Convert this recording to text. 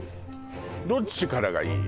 どっちからがいい？